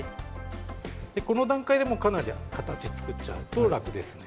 この段階でかなり形を作っちゃうと楽ですね。